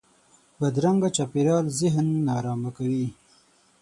بدرنګه چاپېریال ذهن نارامه کوي